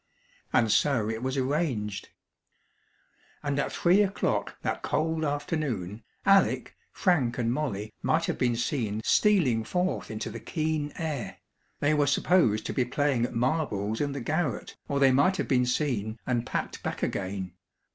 And so it was arranged. And at three o'clock that cold afternoon Alec, Frank, and Molly might have been seen stealing forth into the keen air; they were supposed to be playing at marbles in the garret or they might have been seen, and packed back again.